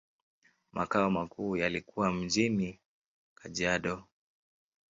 Makao makuu yalikuwa mjini Kajiado.